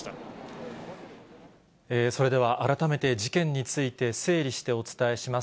それでは改めて事件について整理してお伝えします。